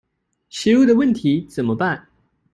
食物的問題怎麼辦？